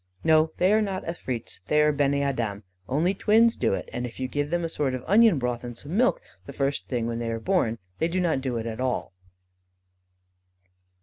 No, they are not afreets; they are beni Adam. Only twins do it, and if you give them a sort of onion broth and some milk, the first thing when they are born, they do not do it at all.